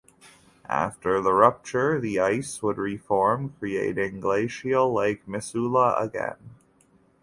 After the rupture, the ice would reform, creating Glacial Lake Missoula again.